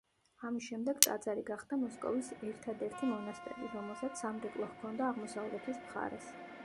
ამის შემდეგ ტაძარი გახდა მოსკოვის ერთადერთი მონასტერი, რომელსაც სამრეკლო ჰქონდა აღმოსავლეთის მხარეს.